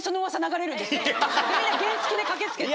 みんな原付で駆け付けて。